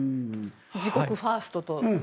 自国ファーストと。